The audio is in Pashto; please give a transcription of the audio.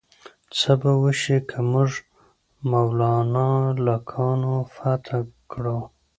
څه به وشي که موږ مونافالکانو فتح کړو؟